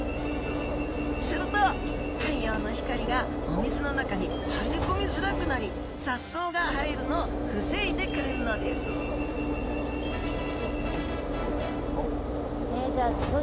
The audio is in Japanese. すると太陽の光がお水の中に入り込みづらくなり雑草が生えるのを防いでくれるのですじゃあ